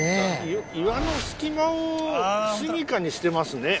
岩の隙間をすみかにしてますね。